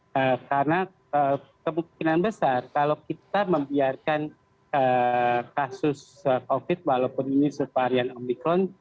karena kemungkinan besar kalau kita membiarkan kasus covid walaupun ini subvarian omicron